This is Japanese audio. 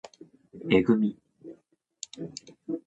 えぐみ